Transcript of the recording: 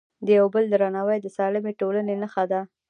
د یو بل درناوی د سالمې ټولنې نښه ده.